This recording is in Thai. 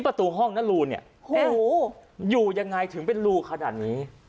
ประตูห้องนรูเนี่ยโอ้โหอยู่ยังไงถึงเป็นรูขนาดนี้